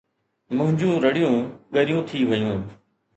منهنجون رڙيون ڳريون ٿي ويون